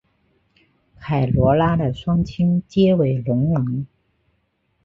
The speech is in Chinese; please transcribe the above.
凯萝拉的双亲皆为聋人。